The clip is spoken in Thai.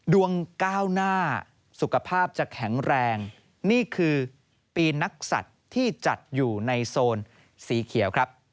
ดวงก้าวหน้าสุขภาพจะแข็งแรงนี่คือปีนักศัตริย์ที่จัดอยู่ในโซนสีเขียวครับ